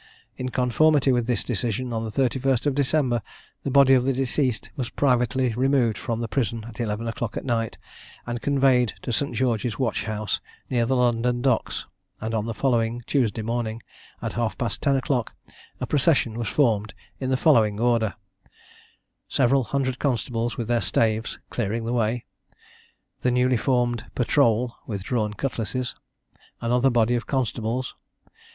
In conformity with this decision, on the 31st of December, the body of the deceased was privately removed from the prison at eleven o'clock at night, and conveyed to St. George's watchhouse, near the London docks, and on the following (Tuesday) morning, at half past ten o'clock, a procession was formed in the following order: Several hundred constables, with their staves, clearing the way. The newly formed patrole, with drawn cutlasses. Another body of constables.